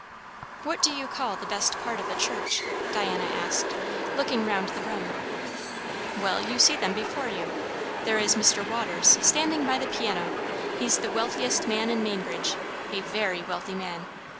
"What do you call the best part of a church?" Diana asked, looking round the room. "Well, you see them before you. There is Mr. Waters standing by the piano he's the wealthiest man in Mainbridge; a very wealthy man.